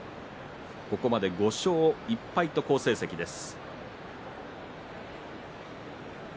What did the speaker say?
ここまで５勝１敗好成績です。